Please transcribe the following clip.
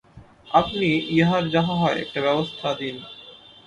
আপনি ইহার যাহা হয় একটা ব্যবস্থা দিন।